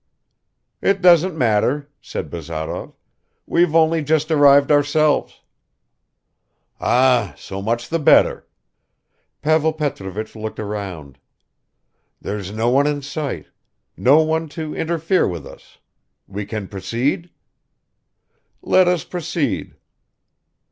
"It doesn't matter," said Bazarov. "We've only just arrived ourselves." "Ah! so much the better!" Pavel Petrovich looked around. "There's no one in sight; no one to interfere with us .. we can proceed?" "Let us proceed."